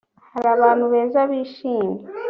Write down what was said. Hari abantu beza bishimye